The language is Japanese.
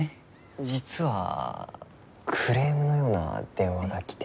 実はクレームのような電話が来てて。